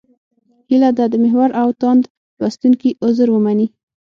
هیله ده د محور او تاند لوستونکي عذر ومني.